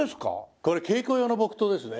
これ稽古用の木刀ですね。